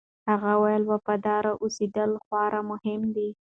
هغه وویل، وفادار اوسېدل خورا مهم دي.